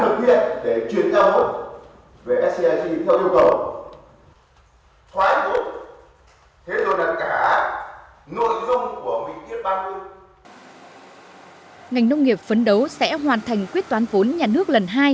công ty cổ phần hóa sắp xếp các doanh nghiệp nhà nước ngành nông nghiệp phấn đấu sẽ hoàn thành quyết toán vốn nhà nước lần hai